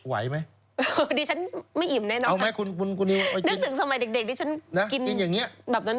ไหวไหมเออดิฉันไม่อิ่มแน่นอนค่ะนึกถึงสมัยเด็กดิฉันกินแบบนั้นไม่ไหวนะ